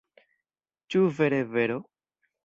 Ĉu vere vero?